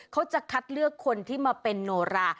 เขาจะคัดเลือกคนที่มาเป็นโนรา